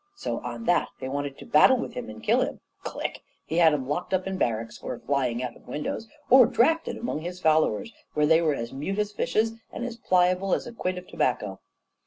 So, on that, they wanted to battle with him and kill him click! he had 'em locked up in barracks, or flying out of windows, or drafted among his followers, where they were as mute as fishes and as pliable as a quid of tobacco.